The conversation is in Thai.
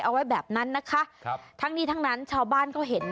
เอาไว้แบบนั้นนะคะครับทั้งนี้ทั้งนั้นชาวบ้านก็เห็น